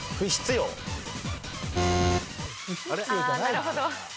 なるほど。